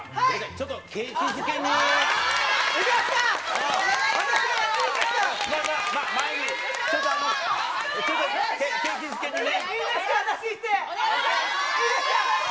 ちょっと景気づけにね。